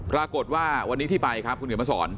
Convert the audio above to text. ปรากฏว่าวันนี้ที่ไปครับคุณเขียนมาสอน